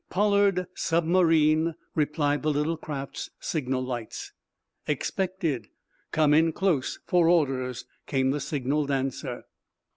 "Pollard, submarine," replied the little craft's signal lights. "Expected. Come in close for orders," came the signaled answer.